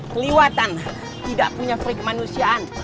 keliwatan tidak punya freak manusiaan